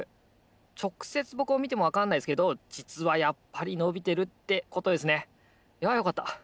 ちょくせつぼくをみてもわかんないですけどじつはやっぱりのびてるってことですねいやよかった！